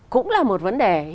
cũng là một vấn đề